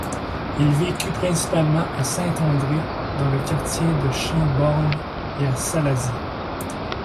Il vécut principalement à Saint-André dans le quartier de Champ-Borne et à Salazie.